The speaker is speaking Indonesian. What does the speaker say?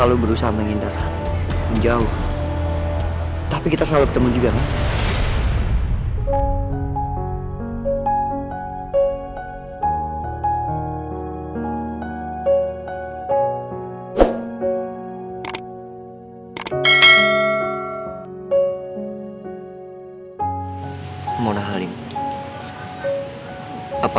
udahlah kita gak perlu ingat rahati lagi